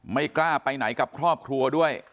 ไม่กล้าไปไหนกับครอบครัวด้วย